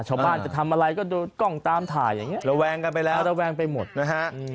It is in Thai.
ชาวบ้านจะทำอะไรก็ดูกล้องตามถ่ายอย่างนี้ระแวงกันไปแล้วระแวงไปหมดนะฮะ